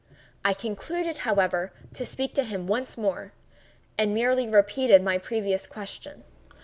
I concluded, however, to speak to him once more, and merely repeated my previous question.